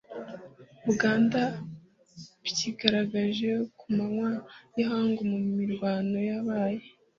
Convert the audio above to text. Buganda byigaragaje ku manywa y ihangu mu mirwano yabaye